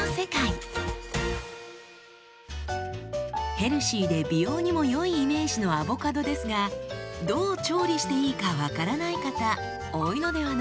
ヘルシーで美容にも良いイメージのアボカドですがどう調理していいか分からない方多いのではないでしょうか？